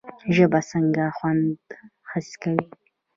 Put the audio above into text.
ژبه څنګه خوند حس کوي؟